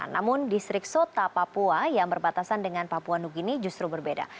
namun distrik sota papua yang berbatasan dengan papua new guinea justru berbeda